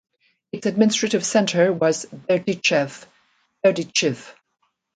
Its administrative centre was Berdichev (Berdychiv).